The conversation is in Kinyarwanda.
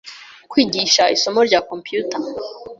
kwigisha isomo rya Computer